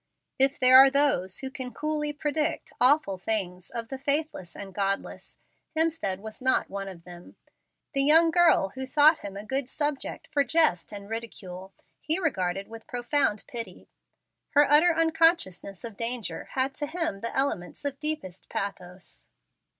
If there are those who can coolly predict "awful things" of the faithless and godless, Hemstead was not one of them. The young girl who thought him a good subject for jest and ridicule, he regarded with profound pity. Her utter unconsciousness of danger had to him the elements of deepest pathos.